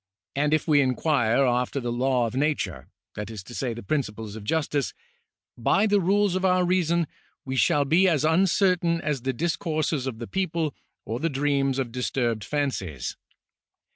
. and if we inquire after the law of nature " (that is to say, the principles of justice) " by the rules of our reason, we shall be as uncertain as the dis courses of the people or the dreams of disturbed fancies."